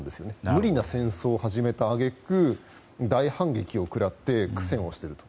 無理な戦争をやった揚げ句大反撃を食らって苦戦をしていると。